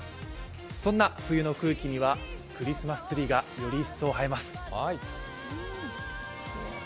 そんな冬の空気にはクリスマスツリーがより一層映えます。